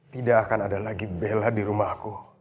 tidak akan ada lagi bela di rumahku